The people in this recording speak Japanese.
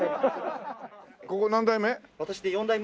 ここ何代目？